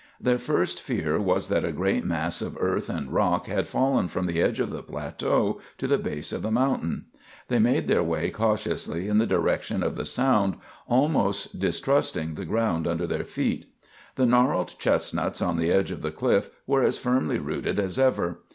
Their first fear was that a great mass of earth and rock had fallen from the edge of the plateau to the base of the mountain. They made their way cautiously in the direction of the sound, almost distrusting the ground under their feet. The gnarled chestnuts on the edge of the cliff were as firmly rooted as ever.